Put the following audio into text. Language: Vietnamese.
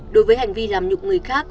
đối với hành vi làm nhục người khác